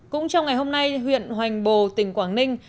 cũng trong ngày hôm nay huyện hoành bồ tỉnh quảng ninh